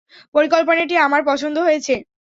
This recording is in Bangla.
পরিকল্পনাটি আমার পছন্দ হয়েছে।